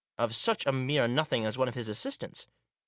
— of such a mere nothing as one of his assistants.